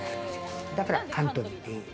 だからカントリー。